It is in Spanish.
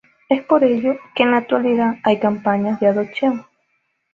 Es por ello que en la actualidad hay campañas de adopción.